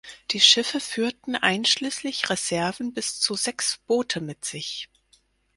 Die Schiffe führten einschließlich Reserven bis zu sechs Boote mit sich.